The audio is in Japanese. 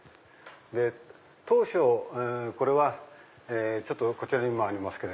当初これはこちらにもありますけど。